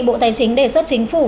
bộ tài chính đề xuất chính phủ